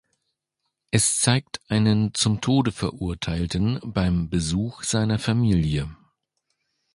Es zeigt einen zum Tode Verurteilten beim Besuch seiner Familie.